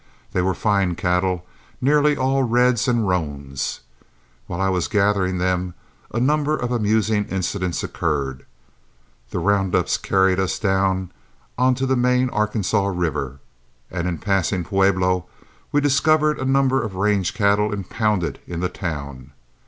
They were fine cattle, nearly all reds and roans. While I was gathering them a number of amusing incidents occurred. The round ups carried us down on to the main Arkansas River, and in passing Pueblo we discovered a number of range cattle impounded in the town.